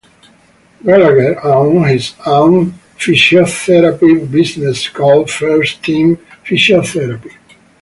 Gallagher owns his own physiotherapy business called First Team Physiotherapy.